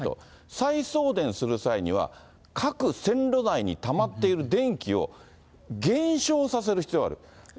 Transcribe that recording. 再送電する際には、各線路内にたまっている電気を減少させる必要がある。